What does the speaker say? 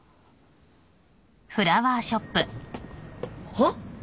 はっ？